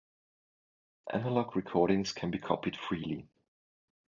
Analog recordings can be copied freely.